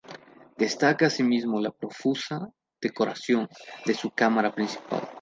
Destaca así mismo la profusa decoración de su cámara principal.